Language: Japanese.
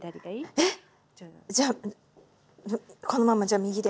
えっじゃあこのままじゃあ右で。